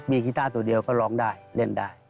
มีกีต้าตัวเดียวก็ร้องได้เล่นได้